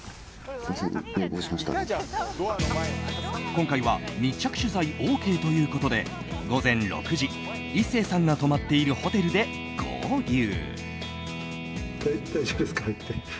今回は密着取材ＯＫということで午前６時、壱成さんが泊まっているホテルで合流。